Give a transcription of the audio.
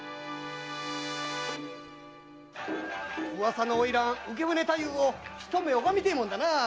噂の花魁・浮舟太夫を一目おがみたいもんだな。